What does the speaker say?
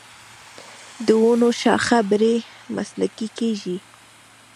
د ونو شاخه بري مسلکي کیږي.